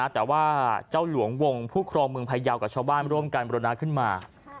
แต่ว่าเจ้าหลวงวงผู้ครองเมืองพยาวกับชาวบ้านร่วมกันบริณาขึ้นมา